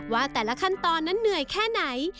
ว่าแต่ละขั้นตอนนั้นเหนื่อยแค่ไหน